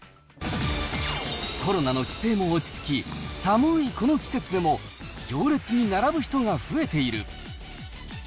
コロナの規制も落ち着き、寒いこの季節でも行列に並ぶ人が増えている。